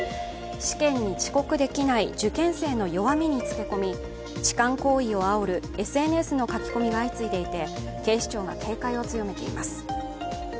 試験に遅刻できない受験生の弱みにつけ込み痴漢行為をあおるＳＮＳの書き込みが相次いでいて警視庁が警戒を強めています。